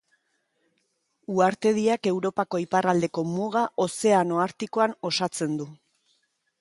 Uhartediak Europako iparraldeko muga Ozeano Artikoan osatzen du.